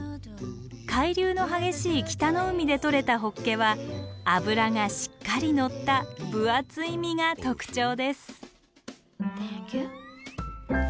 海流の激しい北の海でとれたホッケは脂がしっかり乗った分厚い身が特徴です。